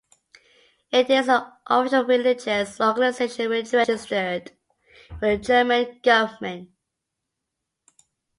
It is an official religious organization registered with the German government.